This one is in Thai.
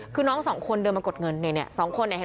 คือน้องสองคนเดินมากดเงินสองคนเห็นไหม